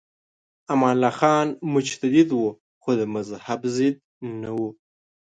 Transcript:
امان الله خان متجدد و خو د مذهب ضد نه و.